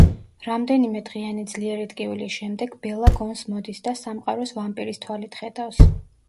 რამდენიმე დღიანი ძლიერი ტკივილის შემდეგ ბელა გონს მოდის და სამყაროს ვამპირის თვალით ხედავს.